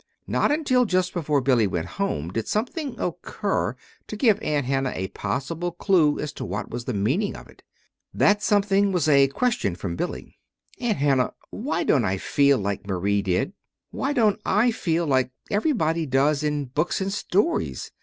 Not until just before Billy went home did something occur to give Aunt Hannah a possible clue as to what was the meaning of it. That something was a question from Billy. "Aunt Hannah, why don't I feel like Marie did? why don't I feel like everybody does in books and stories?